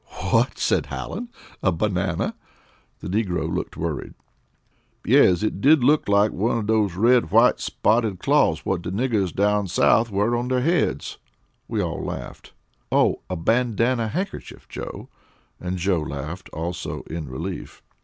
"What!" said Hallen; "a banana?" The negro looked worried. "Yes, it did look like one of dose red, white, spotted cloths wat de niggers down South wear on their heads." We all laughed. "Oh, a bandana handkerchief, Joe." And Joe laughed also, in relief.